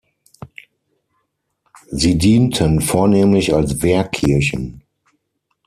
Sie dienten vornehmlich als Wehrkirchen.